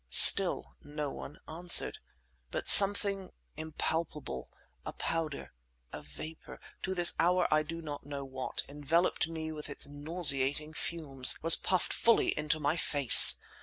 Still no one answered. But something impalpable—a powder—a vapour—to this hour I do not know what—enveloped me with its nauseating fumes; was puffed fully into my face!